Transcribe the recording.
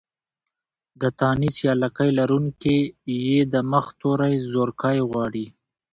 د تانيث يا لکۍ لرونکې ۍ د مخه توری زورکی غواړي.